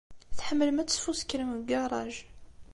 Tḥemmlem ad tesfuskrem deg ugaṛaj.